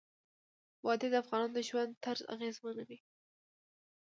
وادي د افغانانو د ژوند طرز اغېزمنوي.